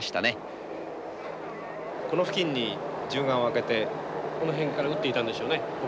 この付近に銃眼を開けてこの辺から撃っていたんでしょうね。